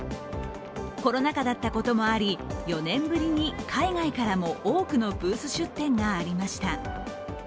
コロナ禍だったこともあり、４年ぶりに海外からも多くのブース出展がありました。